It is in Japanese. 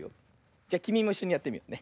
じゃきみもいっしょにやってみようね。